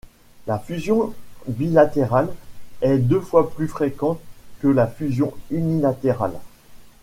La fusion bilatérale est deux fois plus fréquente que la fusion unilatérale.